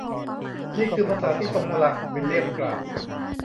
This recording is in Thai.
นี่คือภาษาที่ทรงพลัง วิลเลียมกล่าว